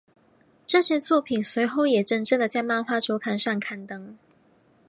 这些作品随后也在真正的漫画周刊上刊登。